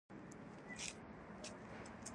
توپان راځي